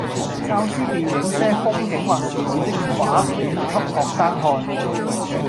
教師便映些風景或時事的畫片給學生看